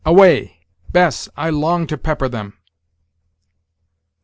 away! Bess; I long to pepper them."